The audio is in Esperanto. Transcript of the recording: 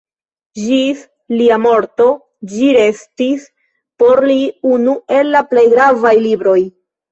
Ĝis lia morto ĝi restis por li unu el la plej gravaj libroj.